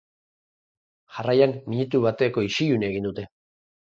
Jarraian, minutu bateko isilunea egin dute.